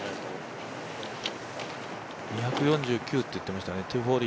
２４９って言ってましたね。